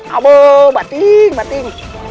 abu batin batin